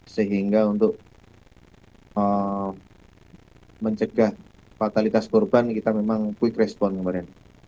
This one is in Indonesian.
sehingga untuk mencegah fatalitas korban kita memang quick response kemarin